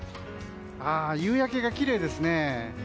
夕焼けがきれいですね。